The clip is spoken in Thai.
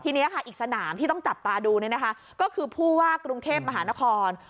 ทีนี้ค่ะอีกสนามที่ต้องจับตาดูก็คือผู้ว่ากรุงเทพมหานคร